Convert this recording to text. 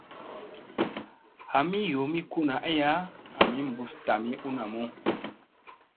Hamii yoomi kuna aya ami ɓus tami u namu.